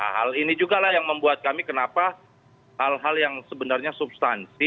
hal ini juga lah yang membuat kami kenapa hal hal yang sebenarnya substansi